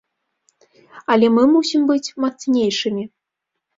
Але мы мусім быць мацнейшымі.